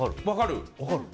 分かる。